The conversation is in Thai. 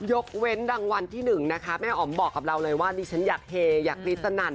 ยกเว้นรางวัลที่๑นะคะแม่อ๋อมบอกกับเราเลยว่าดิฉันอยากเฮอยากกรี๊ดสนั่น